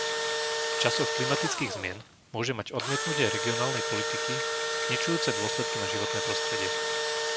V časoch klimatických zmien môže mať odmietnutie regionálnej politiky zničujúce dôsledky na životné prostredie.